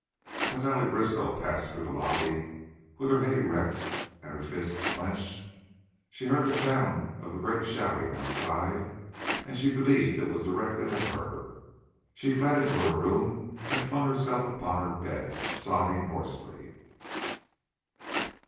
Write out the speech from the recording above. As Allie Briskow passed through the lobby with her head erect and her fists clenched, she heard the sound of a great shouting outside and she believed it was directed at her. She fled into her room and flung herself upon her bed, sobbing hoarsely.